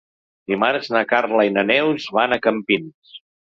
Dimarts na Carla i na Neus van a Campins.